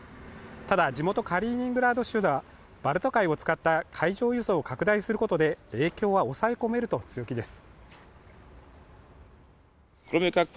ただ、地元カリーニングラード州はバルト海を使った海上輸送を拡大することで影響は抑え込めると強気です。